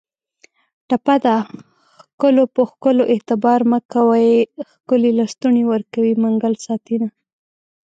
ټپه ده: خکلو په ښکلو اعتبار مه کوی ښکلي لستوڼي ورکوي منګل ساتینه